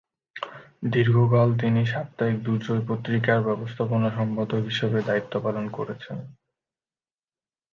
দীর্ঘকাল তিনি সাপ্তাহিক দুর্জয় পত্রিকার ব্যবস্থাপনা সম্পাদক হিসেবে দ্বায়িত্ব পালন করেছেন।